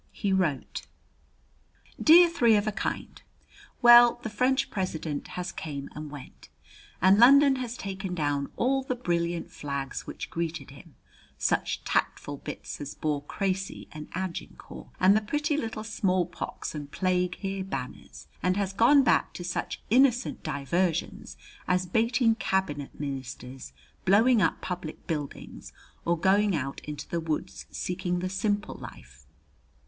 He wrote: Dear Three of a Kind: Well, the French President has came and went, and London has taken down all the brilliant flags which greeted him, such tactful bits as bore Cressy and Agincourt, and the pretty little smallpox and "plague here" banners, and has gone back to such innocent diversions as baiting cabinet ministers, blowing up public buildings, or going out into the woods seeking the Simple Life.